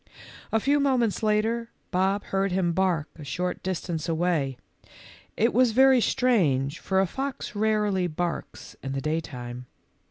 A few moments later, Bob heard him bark a short distance away. It w r as very strange, for a fox rarely barks in the daytime.